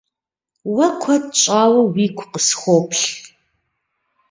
Уэ куэд щӏауэ уигу къысхуоплъ.